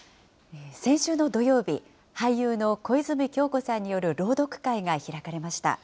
先週の土曜日、俳優の小泉今日子さんによる朗読会が開かれました。